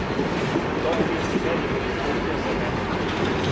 То ће бити велико искуство за мене.